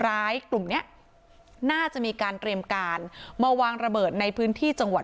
กลุ่มเนี้ยน่าจะมีการเตรียมการมาวางระเบิดในพื้นที่จังหวัด